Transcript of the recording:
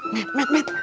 neng pergi ke cibarangkok